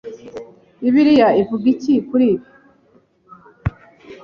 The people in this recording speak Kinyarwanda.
Bibiliya ivuga iki kuri ibi?